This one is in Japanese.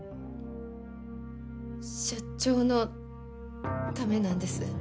社長のためなんです。